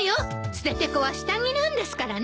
ステテコは下着なんですからね！